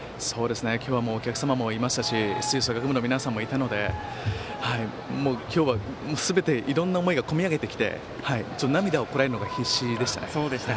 今日はお客様もいましたし吹奏楽部の皆さんもいたので今日はいろんな思いが込み上げてきて涙をこらえるのが必死でしたね。